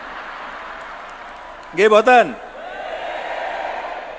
senengnya harus di sekolah ke